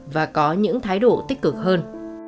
và có những thái độ tích cực hơn